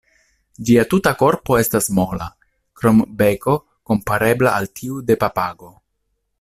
Ĝia tuta korpo estas mola, krom beko komparebla al tiu de papago.